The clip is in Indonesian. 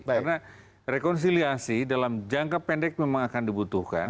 karena rekonsiliasi dalam jangka pendek memang akan dibutuhkan